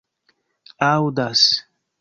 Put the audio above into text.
aŭdas